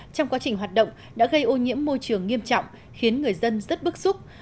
trong quá trình hoạt động đã gây ô nhiễm môi trường nghiêm trọng khiến người dân rất bức xúc